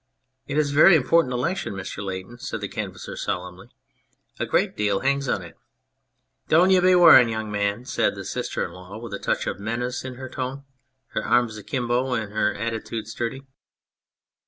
" It is a very important election, Mr. Layton," said the Canvasser solemnly. " A great deal hangs on it.'' " Do'an you be worritin un, young man," said the sister in law with a touch of menace in her tone, her arms akimbo and her attitude sturdy.